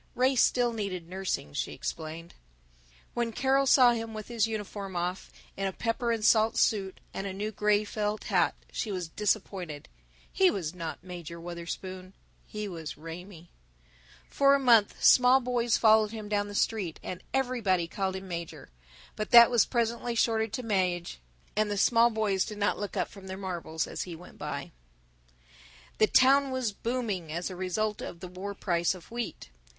Ray still needed nursing, she explained. When Carol saw him with his uniform off, in a pepper and salt suit and a new gray felt hat, she was disappointed. He was not Major Wutherspoon; he was Raymie. For a month small boys followed him down the street, and everybody called him Major, but that was presently shortened to Maje, and the small boys did not look up from their marbles as he went by. III The town was booming, as a result of the war price of wheat.